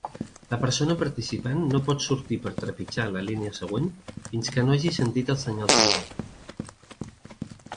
La persona participant no pot sortir per trepitjar la línia següent fins que no hagi sentit el senyal sonor.